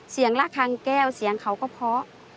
ระคังแก้วเสียงเขาก็เพาะ